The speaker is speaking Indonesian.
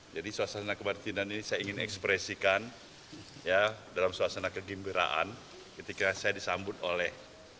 jadi suasana keberantinan ini saya ingin ekspresikan dalam suasana kegembiraan ketika saya disambut oleh